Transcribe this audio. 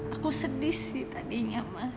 aku sedih sih tadinya mas